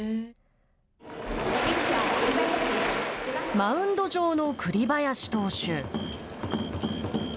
マウンド上の栗林投手。